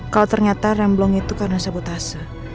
kalau ternyata rem belum itu karena sabotase